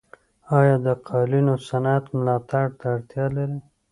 آیا د قالینو صنعت ملاتړ ته اړتیا لري؟